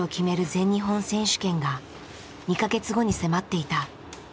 全日本選手権が２か月後に迫っていた。